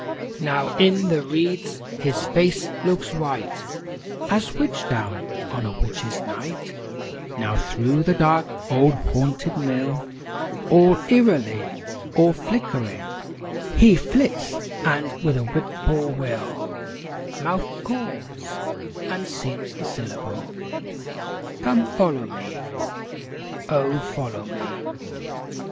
II Now in the reeds his face looks white As witch down on a witches' night; Now through the dark, old, haunted mill, All eerily, all flickeringly He flits; and with a whippoorwill Mouth calls, and seems to syllable, "Come follow me! oh, follow me!"